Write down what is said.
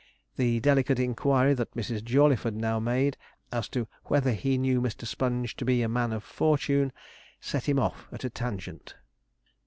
The delicate inquiry that Mrs. Jawleyford now made, as to 'whether he knew Mr. Sponge to be a man of fortune,' set him off at a tangent.